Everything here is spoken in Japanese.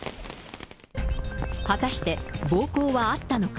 果たして、暴行はあったのか。